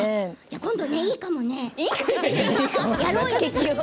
今度いいですね。